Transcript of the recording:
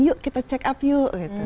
yuk kita check up yuk gitu